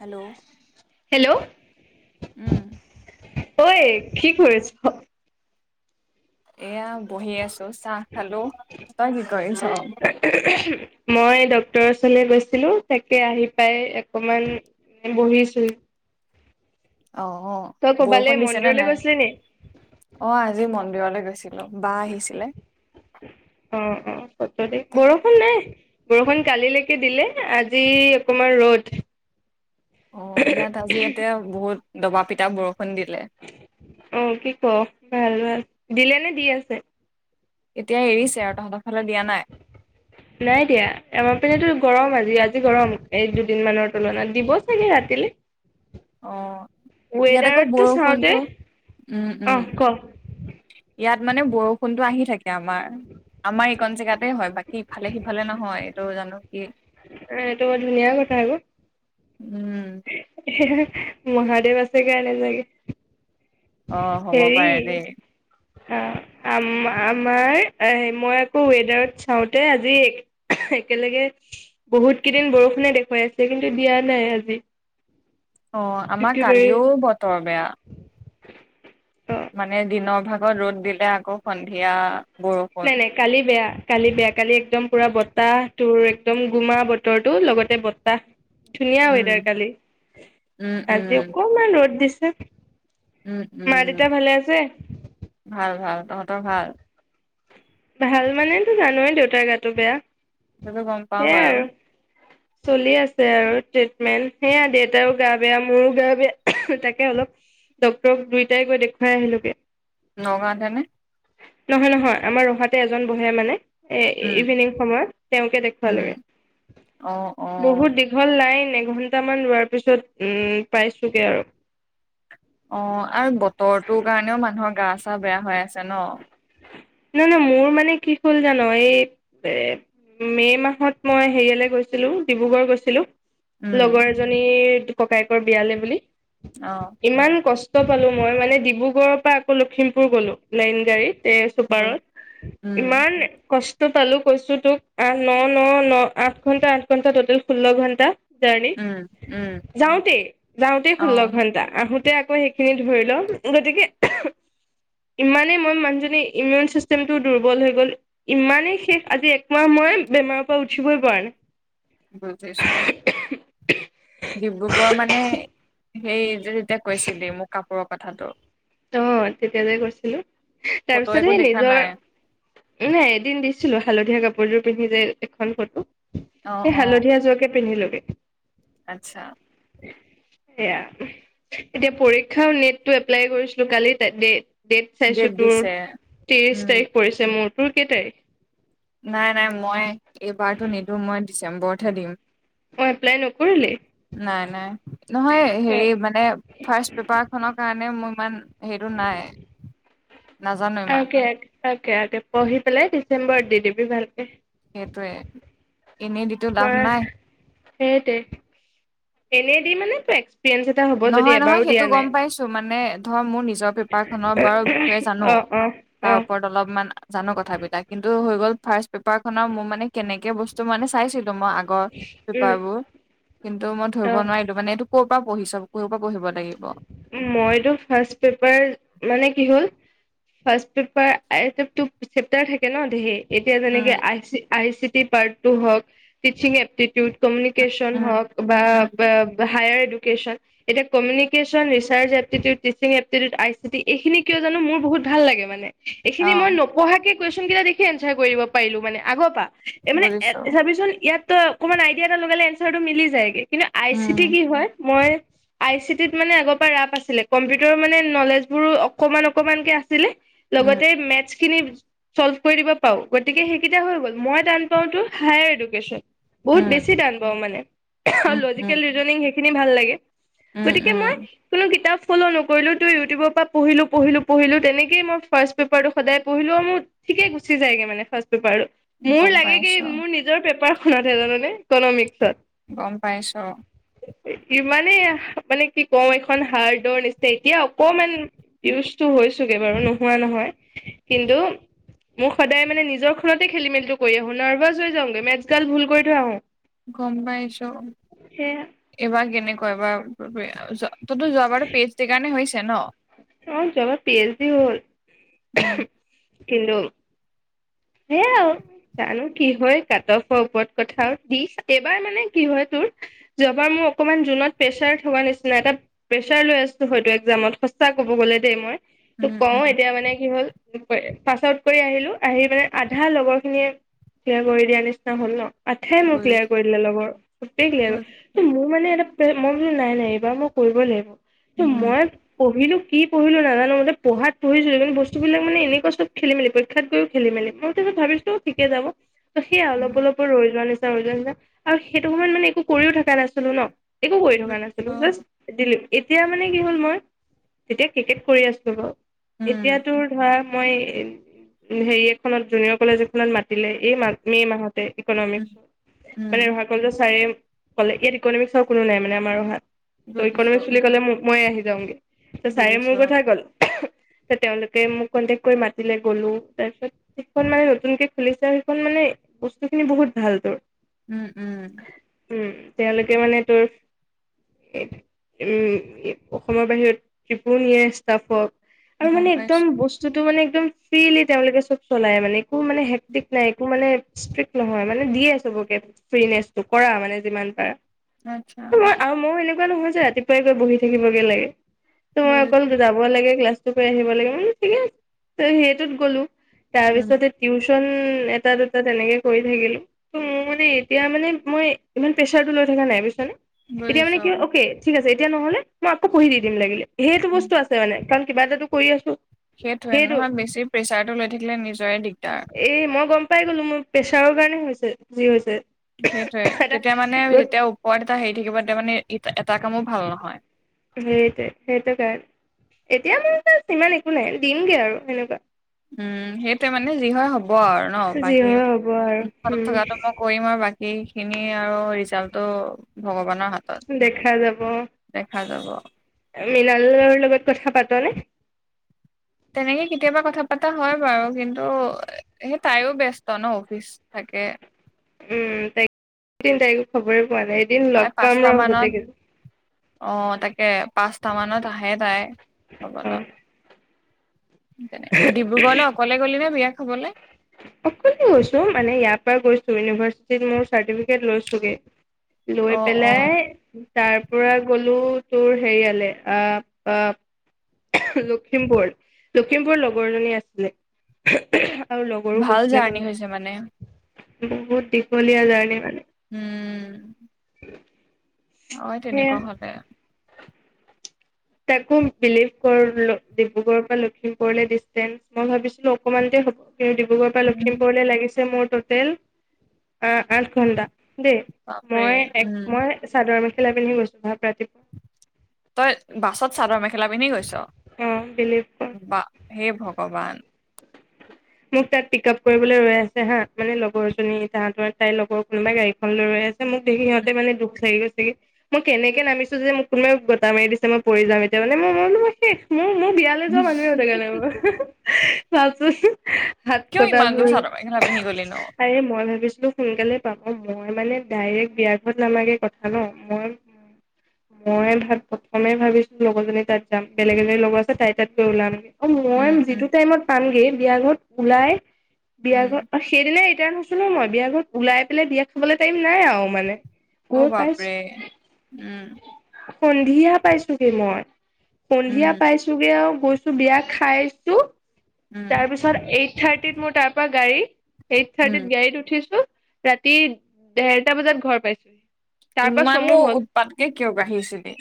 Hello hello উম ঐ কি কৰিছ এয়া বহি আছো চাহ খালো তই কি কৰিছ মই ড্ক্তৰৰ ওচৰলৈ গৈছিলো তাকে আহি পাই অকমান বহিছিলো অ অ বৰষুণ দিছে নে মন্দিৰলৈ নাই গৈছিলি নি? অ আজি মন্দিৰলৈ গৈছিলো বা আহিছিলে অ অ বৰষুণ নাই বৰষুণ কালিলৈকে দিলে আজি অকমান ৰ'দ অ ইয়াত আজি ইতে বহুত দবা পিটা বৰষুণ দিলে অ', কি ক ভাল ভাল। দিলে নে দি আছে এতিয়া এৰিছে আৰু তহঁতৰ ফালে দিয়া নাই নাই দিয়া আমাৰ পিনেতো গৰম আজি ইয়াত গৰম এক দুদিন মানৰ তুলনাত দিব চাগে ৰাতিলে অ ইয়াত আকৌ ৱেডাৰতটো চাওঁতে বৰষুণটো উম উম অ', ক ইয়াত মানে বৰষুণতো আহি থাকে এ আমাৰ আমাৰ এইকন জেগাতে হয় বাকী ইফালে সিফালে নহয় এইটো জানো কি এইটো বৰ ধুনীয়া কথা আকৌ। উম মহাদেৱ আছে গাই নোজাগে অ হ'ব পাৰে দেই অ আ আমাৰ মই আকৌ ৱেডাৰত চাওঁতে আজি একেলগে বহুত কেইদিন বৰষুণে দেখুৱাই আছে কিন্তু দিয়া নাই আজি অ আমাৰ একেবাৰে কালিও বতৰ বেয়া অ মানে দিনক ভাগত ৰ'দ দিলে আকৌ সন্ধিয়া নাই বৰষুণ নাই কালি বেয়া কালি বেয়া কালি একদম পুৰা বতাহ তোৰ একদম গুমা বতৰটো লগতে বতাহ ধুনীয়া উম, ওয়েডাৰ কালি উম, উম, আজি অকমান ৰ'দ দিছে হ উম উম ভাল ভাল তহঁতৰ ভাল ভাল মানেতো জানোৱেই দেউতাৰ গাতটো বেয়া সেইতো গম পাও সেয়াই বাৰু আৰু চলি আছে আৰু ট্ৰিটমেণ্ট সেয়া দেউতাৰো গা বেয়া মোৰো গা বেয়া তাকে অলপ ডক্তৰক দুয়টাই গৈ দেখুৱাই আহিলোগে নগাঁৱতে নে নহয় নহয় আমাৰ ৰহাতে এজন বহে মানে এ উম, ইভিনিং সময়ত তেওঁকে উম, অ', দেখুৱালেগে অ', বহুত দীঘল প্ৰাই এঘন্টামান ৰোৱাৰ পিছত উম পাইছোগে আৰু অ আৰু বতৰটোৰ কাৰণেও মানুহৰ গা চা বেয়া হৈ আছে ন নাই নহ মোৰ মানে কি হ'ল জানো এই এ মে মাহত মই হেৰিয়ালে গৈছিলো ডিব্ৰুগড় গৈছিলো উম, লগৰ এজনীৰ ককায়েকৰ বিয়ালে বুলি অ', ইমান কষ্ট কষ্ট পালো মই মানে ডিব্ৰুগড়ৰ পৰা আকৌ লখিমপুৰ গ'লো লাইন গাড়ীত াৰ উম, ইমান কষ্ট পালো কৈছো তোক আ ন ন ন আঠ ঘন্টা আঠ ঘন্টা টটেল ষোল্ল ঘন্টা জ উম, উম, যাওঁতে যাওঁতে খোল অ', ঘটাা আহো আকৌ সেইখিনি ধৰি লওঁ গতিকে ইমানেই মই মানুহজনী ইমিউন চিষ্টেমটো দুৰ্বল হৈ গ'ল ইমানেই শেষ আজি একমাহ মই বেমাৰৰ পৰা উঠিবই পৰা নাই বুজিছো হেই যেতিয়া কৈছিলি মোক কাপোৰক কথাটো অ তেতিয়া যোই কৰিৈছিলো ফটো একো তাৰপিছতে দেখা নিজৰ নাই এদিন দিছিল ছিলো হালধীয়া কাপোৰযোৰ পিন্ধি যায় এখন ফটো অ', এই অ', হালধীয়া যোৱাকে পিন্ধিলো এ আচ্ছা সেয়া এতিয়া পৰীক্ষাও নেট টো এপ্লাই কৰিছিলো কলিিত দে ডেট চাইছো তোৰ ত্ৰিশ উম, তাৰিখ পৰিছে মোৰ তোৰ কেইটাই নাই নাই মই এইবাৰতো নিদিো মই ডিচেম্বৰত ঠাডিম অ এপ্লাই নকৰিলি নাই নাই নহয় হেৰি মানে ফাৰ্ষট পেপাৰ খনৰ কাৰণে মোৰ ইমান হেৰিটো নাই নাজানো ইমান তাকে তে পঢি পেলাই ডিচেম্বৰত দি দিবি ভাল সেইটোৱে এনেই দিিতো লাভ নাই সেইট এনে দি মানে পে পিপ্ৰেয়া এটা হ'ব নহয় যদিও নহয় এবাৰো সেইটো দিয়া গম নাই পাইছো মানে ধৰ মোৰ নিজৰ পেপাৰ খনৰ বাৰু বিষয়ে জানো অ অ অ তাৰ ওপৰত অলপমান জানো কথা বিলাগ কিন্তু হৈ গ'ল ফাৰ্ষ পেপাৰ খনৰ মোৰ মানে কেনেকে বস্তু তোমালে চাইছো মই আগৰ পা উম বোৰ কিন্তু মই অ ধৰিব নোৱাৰিলোঁ মানে এইটো ক'ৰ পৰা পঢ়িছ কৰ পৰা পঢ়িবা মইতো ফাৰ্ষ্ট পেপাৰ মানে কি হ'ল ফাৰ্ষ্ট পেপাৰ আই চেপ্তাৰ থাকে ন ধেৰ এতিয়া উম যেনেকে আহিছে I C T part two হওক টিচিং এপটিটিউট কমিউনিকেশ্যন উম হওক বা উম পা হায়াৰ এদুকেশন এতিয়া communication education research aptitude teaching aptitude I city এইখিনি কিয় জানো মোৰ বহুত ভাল লাগে মানে এইখিনি অ মই নপঢ়াকে কুৱেশন কেইটা দেখি এনচাৰ কৰিব পাৰিলো মানে আগৰ পা এ মানে বুজিছো চাবিচোন ইয়াত ত অকমান আইডিয়া এটা লগালে এঞ্চচাৰটো মিলি যায়গে কিন্তু আই চি টি উম কি হয় মই আই চি ত মানে আগৰ পৰা ৰাপ আছিলে কম্পিউটাৰৰ মানে নলেজবোৰো অকণমান অকণমানকে আছিল আছিলে উম লগতে মেথচ খিনি চল্ভ কৰি দিব পাওঁ গতিকে সেইকেইটা হৈ গ'ল মই টান পাওতো হায়াৰ এডুকেশ্যন বহুত উম বেছি টান পাওঁ মানে আৰু উম উম লজিকেল ৰিজনিং হেই খিনি ভাল লাগে উম গতিকে উম মই কোনো কিতাপ ফ'ল নকৰিলোঁ তু ইউটিউবৰ পৰা পঢ়িলো পঢ়িলো পঢ়িলো তেনেকেই মই ফাৰ্ষ্ট পেপাৰটো সদায় পঢ়িলো আৰু মোৰ ঠিকে গুচি যায়গে মানে ফাৰ্ষ্ট পেপাৰ মোৰ গম লাগেগে পাইছো মোৰ নিজৰ পেপাৰ ঠহে জান নে ইকনমিক্সচত গম পাইছোঁ ইমানেই আহ মানে কি কম এখন হাৰ্ডৰ নিচিনা এতিয়া অকমান ইউজটো হৈছোগে বাৰু নোহোৱা নহয় কিন্তু মোৰ সদায় মানে নিজৰ খতে খেলি মেলিটো কৰি আহো নাৰ্ভাচ হৈ যাওঁগে মেথছ গাল ভুল কৰি থৈ আহো গম পাইছোঁ সেয়া এবা কেনেকুৱা কয় বা তইতো যোৱাবাৰটো পেষ্ট সেই কাৰণে হৈছে ন অ যোৱাবাৰ পি এইচ ডি উম হ'ল কিন্তু সেয়াই আৰু জানো কি হয় কাট অফৰ ওপৰত কথা দি এইবাৰ মানে কি হয় তোৰ যোৱাবাৰ মোৰ অকনমান জুনত প্ৰেচাৰ থোৱা নিচিনা এটা প্ৰেচাৰ লৈ আছো হয়তো একজামত া ক'ব গ'লে দেই মই তোক উম কওঁ উম এতিয়া মানে কি হ'ল পাছ আউট কৰি আহিলো আহি মানে আধা লগৰ খিনিয়ে থিয়া কৰি দিয়া নিচিনা হল ন আঠাই মোৰ ক্লিয়াৰ বুজিছো কৰি দিলে লগৰ সবেই ক্লিয়াৰ কৰি ত বুজিছো মোৰ মানে এটা মই বোো নাই নাই এইবাৰ মই কৰিব লাগিব তুম উম মই পঢ়িলো কি পঢ়িলো নাজানো মো পঢ়াত পঢ়িলো কিন্তু বস্তুিলাক মানে এনেকুৱা চব খেলি মিৰীক্ষাত গৈও খেলি মেলি মই ত ভাবিছিলো ঠিকে যাব ত সেয়া অলপ উম অলপ ৰৈ যোৱা নিচয় আৰু সেইটো সময়ত মানে একো কৰিও থকা নাছিলো ন একো কৰি থকা নাছিলো বুজিছো জাষ্ট এতিয়া মানে কি হ'ল মই তেতিয়া কে্ৰিকেট কৰি আছো বাৰু উম এতিয়াতো ধৰা মই উ হেৰি এখনত জুনিয়ৰ কলেজ এখনত মাতিলে এই মাহ মে' মাহত ইকনমিক উম উম মানে ৰহ ক চাৰে ক'লে ইয়াত ইকনমিক্ৰ কোনো নাই মানে আমাৰ অাত ত বুজিছো ইকনমে বুলি ক'লে মই মই আহিছো যওঁগে ত ছাৰে মোৰ বুজিছো কথা কল তেওঁলোকে মোক কনটেক্ কৰি মাতিলে গলো তাৰপিছত যিখন মানে নতুনকে খুলিছে সেইখন মানে বস্তু খিনি বহুত ভাল তোৰ উম উম উম তেওঁলোকে মানে তোৰ উম অসমৰ বাহিৰত পুণীয়েে সষ্টফক আৰু গম মানে পাইছো একদম বস্তুতো মানে একদম ফ্ৰিলি তেওঁলোকে চব চলাই মানে একো মানে হেক্টিক নাই একো মানে ষ্ট্ৰিক্ট নহয় মানে দিয়ে চবকে ফ্ৰিনেচটো কৰা মানে যিমান পাৰা আচ্ছা এনেুৱা নহয় যে ৰাতিপুৱাই গৈ বহি থাকিবগে লাগে তোমাৰ অকল বুজিছো যাবই লাগে ক্লাছ আহিব লাগে মানে ঠিকে আছে সেইটোত গ'লো তাৰ উম পিছতেই টিউ এটা দুটা তেনেকে কৰি থাকিলো ত মোৰ মানে এতিয়া মানে মই ইমান প্ৰেচাৰটো লৈ থকা নাই বুজি এতিয়া মানে বুজিছো কি হয় অকে ঠিক আছে এতিয়া নহলেই আকৌ মই পঢ়ি দিম দিম লাগিলে সেইটো উম, বস্তু আছে মানে কাৰণ কিবা এটাো কৰি আছো সেইটোৱে সেইটো নহক বেছি প্ৰেছাৰটো লৈ থাকিলে নিজৰে দিগদাৰ এই মই গম পাই গলো মোৰ প্ৰেছাৰৰ কাৰণে হৈছে যি হৈছে সেইটোয়ে তেতিয়া মানে এটা যেতিয়া ওপৰত এটা হেৰি থাকিব তেতিয়া মানে এটা কামো ভাল নহয় সেইটোৱ সেইটোৰ কাৰণে এতিয়া মানে এটা সিমান একো নাই দিমগে আৰু সেনেকুৱা উম সেইটোৱে মানে যি হয় হ'ব আৰু ন যি বাকী হয় হ'ব আৰু [unintelligible] থকাটো উম মই কৰিম আৰু বাকী খিনি আৰু হিচাপটো ভগাব দেখা যাব দেখা যাব মৃণালৰ লগত কথা পাতনেে তেনেকে কেতিয়াবা কথাা এটা হয় বাৰু কিন্তু সে তাইও ব্যস্ত ন অফিচ থাকে উম তাইক [unintelligible] খবৰে মানে এদিন তাই লগ পাম পাঁচটা ৰ মানত গোটেই কেইজন অ তাকে এ পাঁচটা মানত আহে তাই হব অ ডিব্ৰুগড়লৈ অকলে গলি নে বিয়া খাবলৈ অকলে গৈছো মানে ইয়াৰ পৰা গৈছো ইউনিভাৰ্চিটিত মোৰ চাৰ্টিফিকেট লৈছোগে অ লৈ অ পেলাই তাৰ পৰা গ'লো তোৰ হেৰিয়ালে আহ অ লখিমপুৰ লখিমপুৰ লগৰ জনী আছিলে আৰু লগৰো ভাল গৈছিলে জাৰ্ণি ক'ৰবাত হৈছে মানে বহুত দীঘলীয়া জাৰ্ণি মানে উম [inaudible] অ সেয়া তেনেকুৱা হলে তাকো বিলিভ কৰ ডিব্ৰুগড়ৰ পৰা লখিমপুৰলৈ ডিচেঞ্চ মই ভাবিছিলো অকমানতে হ'ব তেওঁ ডিব্ৰুগড়ৰ পৰা উম লখিমপুৰলৈ লাগিছে মোৰ টোটেল অ আঠ ঘণ্টা দেই বাপৰে মই এক উম মই চাদৰ মেখি খিল পিন্ধ গৈছোাত তই বাছত, চাদৰ -মেখেলা পিন্ধি গৈছ অ বিলিভ কৰ বা? হে -ভগৱান মোক তাত পিক আপ কৰিবলৈ ৰৈ আছে হা, মানে লগৰজনী তাহাঁতৰ তাইৰ লগৰ কোনোবাই গাড়ীখন লৈ ৰৈ আছে, মোক দেখি সিহঁতে মানে দুখ লাগি গৈছে হি মই কেনেকে নামিছো যে মোক কোনোবাই গতটা মাৰি দিছে মই পৰি যাম এতিয়া মানে মই - মই বোলো মই শেষ মোৰ, মোৰ উম বিয়ালৈ যোৱা মানুহে মোক এনেকা কৰে। চুৱাচো। হাত কিয় কটা ইমান দূৰ মোৰ, চাদৰ মেখেলা পিন্ধি গলি ন আৰে মই ভাবিছো, - সোনকালে পাব মই মানে ডাইৰেক্ বিয়া ঘৰত নামাগে কথা ন', মই -মই ভাবিছোঁ প্ৰথমে ভাবিছো লগৰজনী তাত যাম বেলেগ এজনী লগৰ আছে তাইৰ তাত গৈ ওলামগে। অ, মই উম উম যিটো টাইমত পামগে, বিযাঘৰত, ওলাই, উম বিয়াঘৰ অ ', সেদিনাই, কেন হৈছিলোঁ মই বিয়া ঘৰত উলাই পেলাই বিয়া খাবলৈ টাইম নাই আৰু মানে। অ', গৈ পাইছো বাপৰে উম, সন্ধিয়া পাইছোগে মই। উম সন্ধিয়া পাইছোগে আৰু, কৈছো বিয়া খাইছো। উম, তাৰ পিছত এইট -থাৰ্টিত মোৰ তাৰ পৰা গাড়ী, - এইট উম -থাৰ্টিত গাড়ীত উঠিছো। ৰাতি ডেৰটা বজাত ঘৰ পাইছোহি। তাৰ পৰা চমু ইমানো হ'ল উৎপাতকে কিয় বাঢ়িছিলি?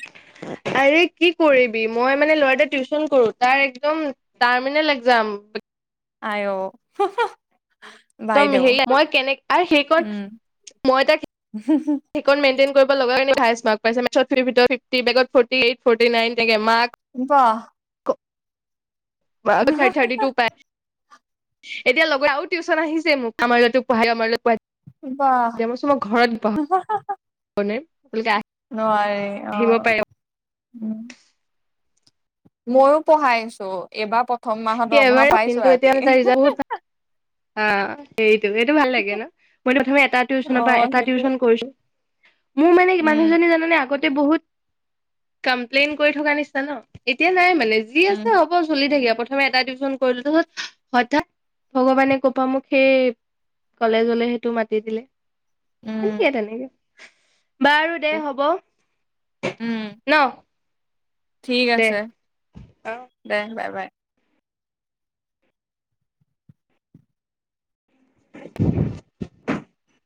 আৰে কি কৰিবি মই মানে ল'ৰাটো টিউচন কৰো। তাৰ একদম টাৰ্মিনেল এক্জাম, আইয়, একদম হেৰি মই কেনে সেইকণ উম মই তাক সেইক মেইনটেইন কৰিব লগা, আঠাইছ মাৰ্ক পাইছে, মেটচত ফিফটিৰ ভিতৰত ফিফটি, বেলেগত ফৰ্তি এইথ - ফৰ্তী নাইন তেনেকে মা, বাহ, থাৰটি -থাৰ্টি - টো পাই। এতিয়া লগত আৰু টউচন আহিছে মোক আমাৰ লৰাটোক পঢ়ায় দিয়া, আমাৰ লৰাটোক পঢ়াই দিবা। [unintelligible] কওঁনে? নোৱাৰে অ', উম, মইয়ো পঢ়াই আছো এইবাৰ, প্ৰথম মাহৰ সি দৰমহা এবাৰ পাইছো কিন্তু এতিয়া আজি। মানে এ, তাৰ ৰিজাল্ট হাহা - বহুত হাহা। অ সেইটো এইটো ভাল লাগে ন মই প্ৰথমে এটা অ', টিউচনৰ পৰা এটা সেইটোৱে টিউচন কৰিছো মোৰ মানে উম, মানুহজনী জানে আগত ব কপ্লেইন কৰি থ নিচনা ন এতিয়া নাই মানে যি উম, আছে হ'ব চলি থাকে প্ৰথমে এটা িশ্যন কৰিলো হ' হঠাৎ ভগৱানে কোপা মোক সেই কলেজলে সেইটো মাতি দিলে উম, তেনেকে তেনেকে বাৰু দে হ'ব উম, ন ঠিক দে আছে অ'। দে বাই বাই [unintelligible]